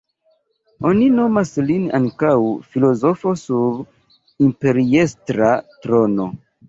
Oni nomas lin ankaŭ "filozofo sur imperiestra trono".